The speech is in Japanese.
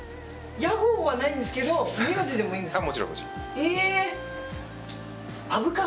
屋号はないんですけど名字でもいいですか？